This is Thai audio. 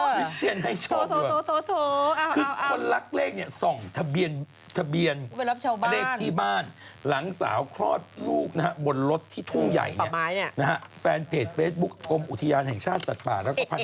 วิเชียนคือใครเดี๋ยวก่อนวิเชียนคือใครเอาวิเชียนไม่งั้น